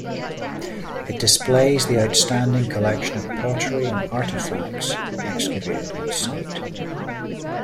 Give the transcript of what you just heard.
It displays the outstanding collection of pottery and artifacts excavated on site.